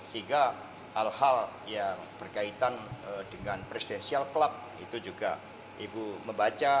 sehingga hal hal yang berkaitan dengan presidensial club itu juga ibu membaca